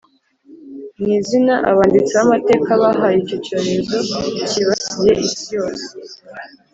ni izina abanditsi b’amateka bahaye icyo cyorezo cyibasiye isi yose